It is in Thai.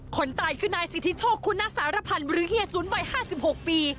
คนตายคือนายสิทธิโชคคุณสารพันธ์หรือเฮียสุนวัย๕๖ปี